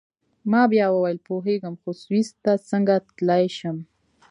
ما بیا وویل: پوهیږم، خو سویس ته څنګه تلای شم؟